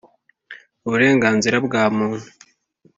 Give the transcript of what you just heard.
Uburenganzira bwa Muntu